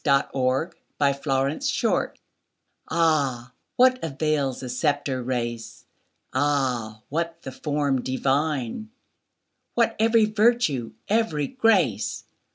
Rose Aylmer AH, what avails the sceptred race! Ah, what the form divine! What every virtue, every grace!